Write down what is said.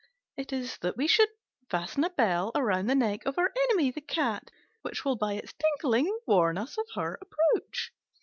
It is that we should fasten a bell round the neck of our enemy the cat, which will by its tinkling warn us of her approach."